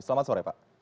selamat sore pak